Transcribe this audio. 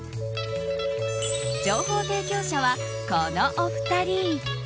情報提供者は、このお二人。